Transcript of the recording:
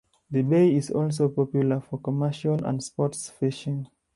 The bay is also popular for commercial and sports fishing.